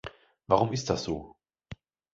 Warum ist das so?